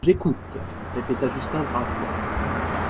J'écoute, répéta Justin gravement.